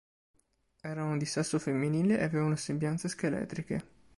Erano di sesso femminile e avevano sembianze scheletriche.